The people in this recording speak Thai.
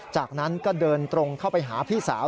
จากนั้นก็เดินตรงเข้าไปหาพี่สาว